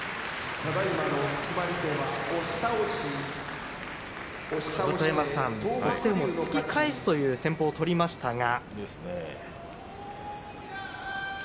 甲山さん、北青鵬突き返すという戦法を取りましたが。